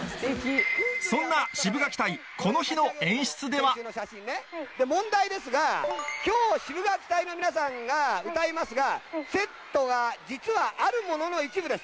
そんなシブがき隊問題ですが今日シブがき隊の皆さんが歌いますがセットが実はあるものの一部です。